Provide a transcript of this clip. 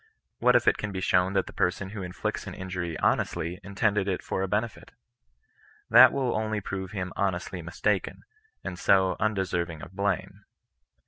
" What if it can be shown that the person who inflicts an injury honestly intended it for a benefit 1" That will only prove him honestly mistaken, and so undeserving of blame.